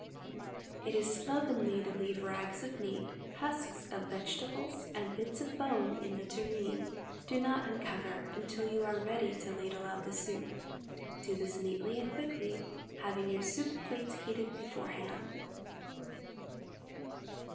It is slovenly to leave rags of meat, husks of vegetables and bits of bone in the tureen. Do not uncover until you are ready to ladle out the soup. Do this neatly and quickly, having your soup plates heated beforehand.